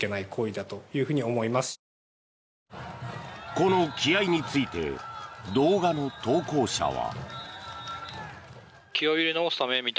この気合について動画の投稿者は。